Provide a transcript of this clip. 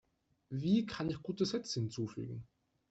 Wie kann ich gute Sätze hinzufügen?